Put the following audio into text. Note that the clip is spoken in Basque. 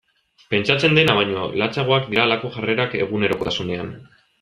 Pentsatzen dena baino latzagoak dira halako jarrerak egunerokotasunean.